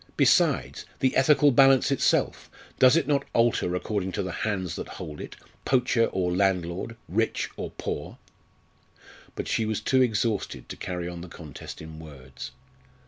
Besides the ethical balance itself does it not alter according to the hands that hold it poacher or landlord, rich or poor? But she was too exhausted to carry on the contest in words.